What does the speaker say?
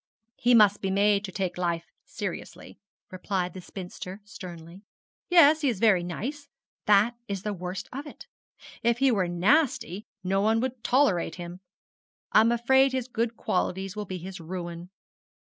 'He must be made to take life seriously,' replied the spinster sternly. 'Yes, he is very nice that is the worst of it; if he were nasty no one would tolerate him. I'm afraid his good qualities will be his ruin.'